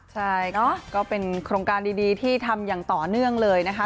ใช่ก็เป็นโครงการดีที่ทำอย่างต่อเนื่องเลยนะคะ